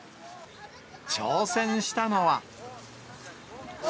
挑戦したのは。